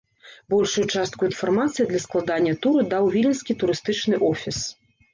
Большую частку інфармацыі для складання тура даў віленскі турыстычны офіс.